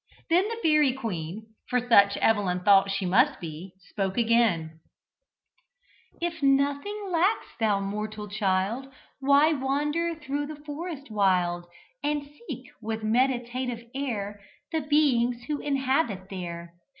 Then the fairy queen, for such Evelyn thought she must be, spoke once again: "If nothing lack'st thou, mortal child, Why wander through the forest wild And seek, with meditative air, The beings who inhabit there?